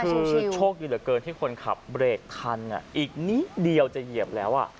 คือโชคอยู่เกินที่คนขับเบร็กทันอีกนี้เดี๋ยวจะเหยียบแล้ว